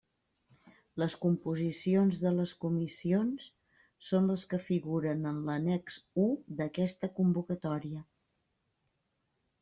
Les composicions de les comissions són les que figuren en l'annex u d'aquesta convocatòria.